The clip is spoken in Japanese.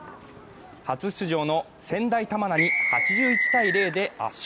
初出場の専大玉名に８１−０で圧勝。